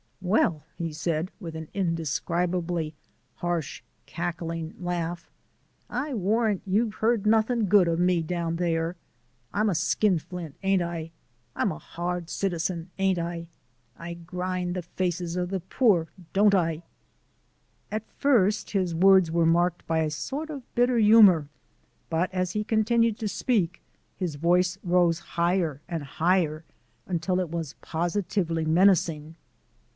"Well," he said, with an indescribably harsh, cackling laugh, "I warrant you've heard nothing good o' me down there. I'm a skinflint, ain't I? I'm a hard citizen, ain't I? I grind the faces o' the poor, don't I?" At first his words were marked by a sort of bitter humour, but as he continued to speak his voice rose higher and higher until it was positively menacing.